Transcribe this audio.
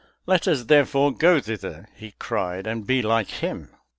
"Let us therefore go thither," he cried, "and be like him."